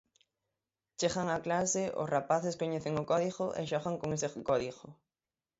Chegan á clase, os rapaces coñecen o código e xogan con ese código.